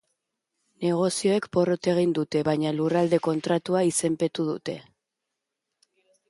Negoziazioek porrot egin dute, baina Lurralde Kontratua izenpetu dute.